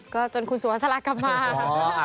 ก็จนคุณสวสระกลับมา